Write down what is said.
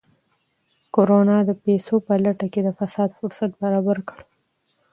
کرونا د پیسو په لټه کې د فساد فرصت برابر کړی.